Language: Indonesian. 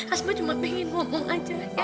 asma cuma pengen ngomong aja ya